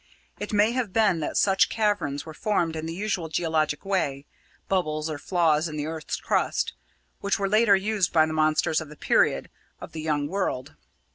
It may have been that such caverns were formed in the usual geologic way bubbles or flaws in the earth's crust which were later used by the monsters of the period of the young world.